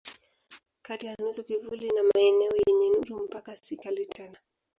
Kati ya nusu kivuli na maeneo yenye nuru mpaka si kali tena.